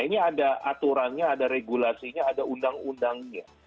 ini ada aturannya ada regulasinya ada undang undangnya